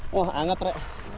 wah anget re